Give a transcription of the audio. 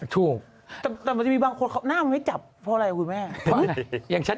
ถูกแต่มันจะมีบางคนเขาหน้ามันไม่จับเพราะอะไรคุณแม่อย่างฉัน